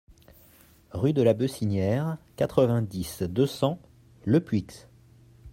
Rue de la Beucinière, quatre-vingt-dix, deux cents Lepuix